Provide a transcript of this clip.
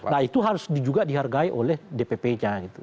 nah itu juga harus dihargai oleh dpp nya